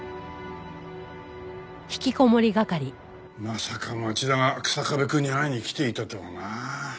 まさか町田が草壁くんに会いに来ていたとはな。